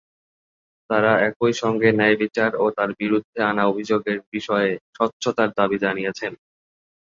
তারা একই সঙ্গে ন্যায়বিচার ও তার বিরুদ্ধে আনা অভিযোগের বিষয়ে স্বচ্ছতার দাবি জানিয়েছেন।